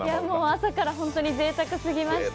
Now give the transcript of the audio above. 朝から本当にぜいたくすぎました。